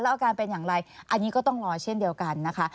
อาการเป็นอย่างไรอันนี้ก็ต้องรอเช่นเดียวกันนะคะ